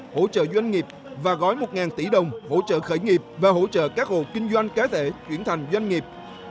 hỗ trợ doanh nghiệp và gói một tỷ đồng hỗ trợ khởi nghiệp và hỗ trợ các hộ kinh doanh cá thể chuyển thành doanh nghiệp